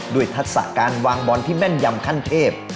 ทักษะการวางบอลที่แม่นยำขั้นเทพ